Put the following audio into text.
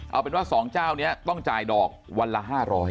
เอาเป็นว่า๒เจ้านี้ต้องจ่ายดอกวันละ๕๐๐